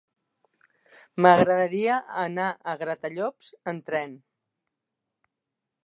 M'agradaria anar a Gratallops amb tren.